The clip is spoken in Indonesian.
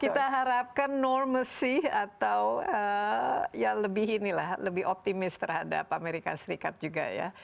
kita harapkan normalisasi atau lebih optimis terhadap amerika serikat juga